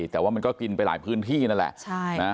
แต่ว่ามันก็กินไปหลายพื้นที่นั่นแหละ